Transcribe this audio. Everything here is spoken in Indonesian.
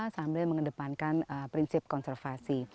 sambil mengedepankan prinsip konservasi